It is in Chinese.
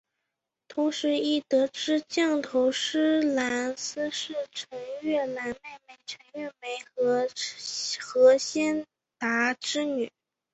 同时亦得知降头师蓝丝是陈月兰妹妹陈月梅和何先达之女。